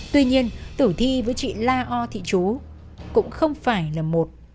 tuy nhiên tử thi với chị la o thị chú cũng không phải là một